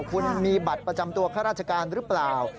คุณมีบัตรประจำตัวข้าราชการหรือเปล่า